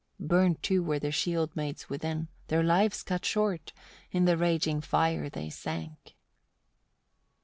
Burnt too were the shield maids within, their lives cut short; in the raging fire they sank.